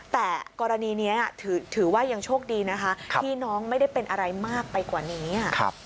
แต่กรณีนี้ถือว่ายังโชคดีนะคะที่น้องไม่ได้เป็นอะไรมากไปกว่านี้